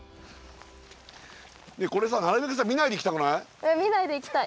これさなるべく見ないで行きたくない？